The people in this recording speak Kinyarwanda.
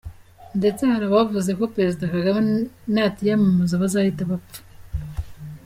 Ndetse hari abavuze ko Perezida Kagame natiyamamaza bazahita bapfa!